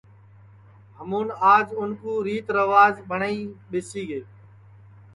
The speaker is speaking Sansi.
اور ہمون آج اُن کُو ریتی ریوج ٻٹؔائی ٻیسی گئے ہے